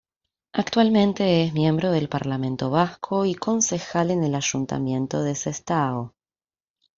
Actualmente es miembro del Parlamento Vasco y Concejal en el Ayuntamiento de Sestao.